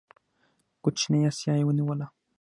کوچنۍ اسیا یې ونیوله.